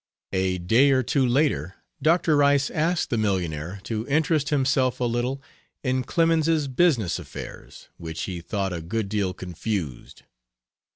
A day or two later Doctor Rice asked the millionaire to interest himself a little in Clemens's business affairs, which he thought a good deal confused.